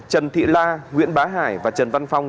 trần thị la nguyễn bá hải và trần văn phong